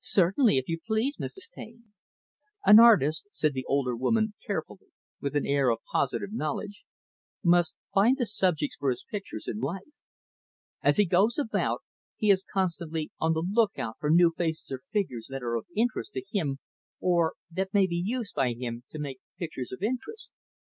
"Certainly, if you please, Mrs. Taine." "An artist," said the older woman, carefully, with an air of positive knowledge, "must find the subjects for his pictures in life. As he goes about, he is constantly on the look out for new faces or figures that are of interest to him or, that may be used by him to make pictures of interest.